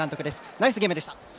ナイスゲームでした。